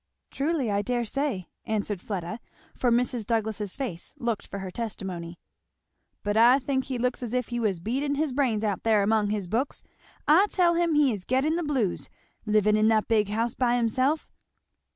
"Truly, I dare say," answered Fleda, for Mrs. Douglass's face looked for her testimony. "But I think he looks as if he was beating his brains out there among his books I tell him he is getting the blues, living in that big house by himself."